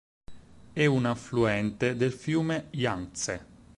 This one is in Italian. È un affluente del fiume Yangtze.